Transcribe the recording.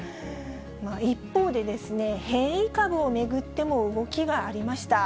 一方で、変異株を巡っても動きがありました。